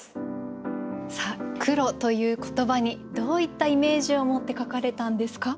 さあ「黒」という言葉にどういったイメージを持って書かれたんですか？